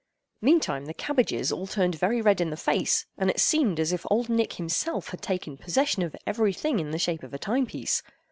Meantime the cabbages all turned very red in the face, and it seemed as if old Nick himself had taken possession of every thing in the shape of a timepiece.